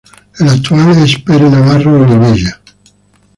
El actual es Pere Navarro Olivella.